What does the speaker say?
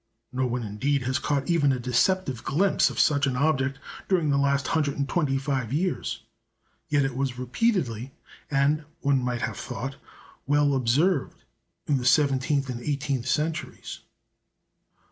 No one, indeed, has caught even a deceptive glimpse of such an object during the last 125 years. Yet it was repeatedly and, one might have thought, well observed in the seventeenth and eighteenth centuries.